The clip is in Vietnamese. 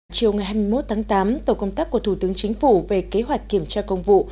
chiều ngày hai mươi một tháng tám tổ công tác của thủ tướng chính phủ về kế hoạch kiểm tra công vụ